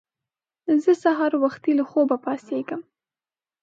زه سهار وختي له خوبه پاڅېږم